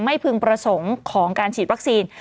พึงประสงค์ของการฉีดวัคซีน